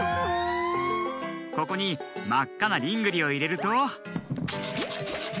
ここにまっかなリングリをいれると。